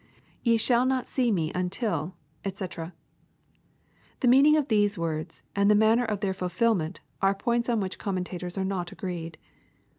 [ Ye shaU not see me untUj dbc] The meaning of these words, and the manner of their fulfilment, are points on which commentators are not agreed.